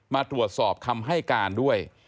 มาตรวจสอบคำให้การด้วย